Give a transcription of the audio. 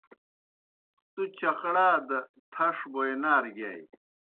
تُوْ چقڑا دہ تھݜ بوئے نارہ گِیائے۔